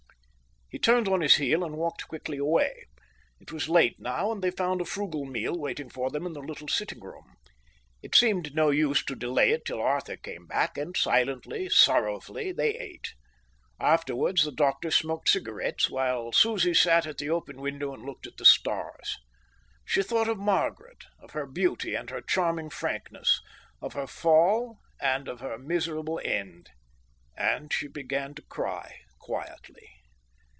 He turned on his heel and walked quickly away. It was late now, and they found a frugal meal waiting for them in the little sitting room. It seemed no use to delay it till Arthur came back, and silently, sorrowfully, they ate. Afterwards, the doctor smoked cigarettes, while Susie sat at the open window and looked at the stars. She thought of Margaret, of her beauty and her charming frankness, of her fall and of her miserable end; and she began to cry quietly.